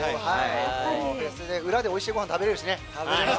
裏でおいしいご飯食べれるしね。